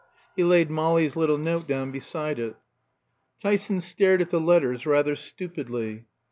He laid Molly's little note down beside it. Tyson stared at the letters rather stupidly.